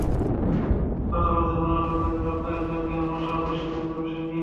কথা বলেছেন বাংলাদেশের অর্থনীতি, রপ্তানি, জঙ্গি হামলাসহ বৈশ্বিক বিভিন্ন বিষয় নিয়ে।